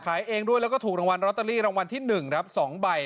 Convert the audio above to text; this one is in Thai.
เองด้วยแล้วก็ถูกรางวัลลอตเตอรี่รางวัลที่๑ครับ๒ใบ